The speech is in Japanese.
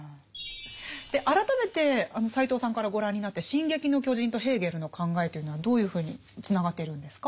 改めて斎藤さんからご覧になって「進撃の巨人」とヘーゲルの考えというのはどういうふうにつながっているんですか？